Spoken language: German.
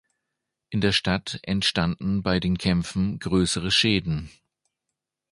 In der Stadt entstanden bei den Kämpfen größere Schäden.